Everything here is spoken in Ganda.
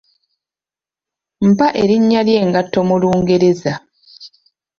Mpa erinnya ly'engatto mu Lungereza?